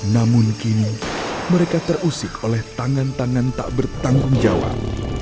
namun kini mereka terusik oleh tangan tangan tak bertanggung jawab